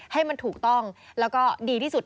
ให้มันถูกต้องแล้วก็ดีที่สุด